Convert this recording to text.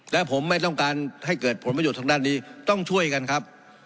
และผมไม่ต้องการให้เกิดผลประโยชน์ทางด้านนี้ต้องช่วยกันครับ